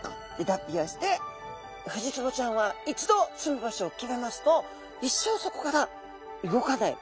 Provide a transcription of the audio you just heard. フジツボちゃんは一度住む場所を決めますと一生そこから動かない。